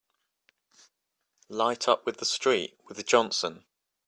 Light up with the street with Johnson!